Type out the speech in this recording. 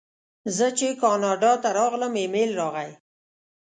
زه چې کاناډا ته راغلم ایمېل راغی.